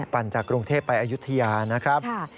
ปั่นจากกรุงเทพไปอายุทยานะครับ